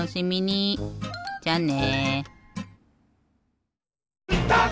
じゃあね。